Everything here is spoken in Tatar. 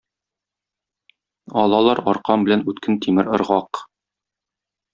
Алалар аркан белән үткен тимер ыргак.